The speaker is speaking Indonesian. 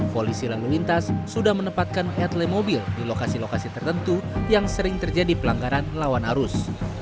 polisi lalu lintas sudah menempatkan etle mobil di lokasi lokasi tertentu yang sering terjadi pelanggaran lawan arus